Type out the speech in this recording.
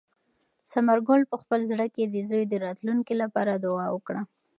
ثمر ګل په خپل زړه کې د زوی د راتلونکي لپاره دعا وکړه.